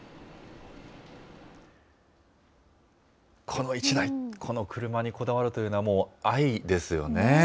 この一台、この車にこだわるというのはもう、愛ですよね。